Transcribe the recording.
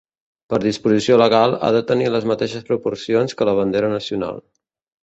Per disposició legal, ha de tenir les mateixes proporcions que la bandera nacional.